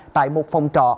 tại một phòng trò